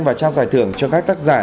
và trao giải thưởng cho các tác giả